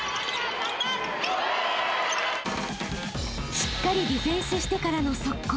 ［しっかりディフェンスしてからの速攻］